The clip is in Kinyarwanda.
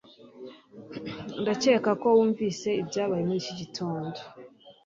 Ndakeka ko wumvise ibyabaye muri iki gitondo